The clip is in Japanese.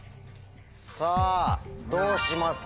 さぁどうしますか？